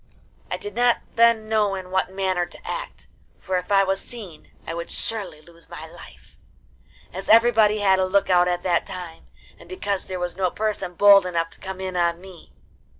I did not then know in what manner to act, for if I was seen I would surely lose my life, as everybody had a look out at that time, and because there was no person bold enough to come in on me.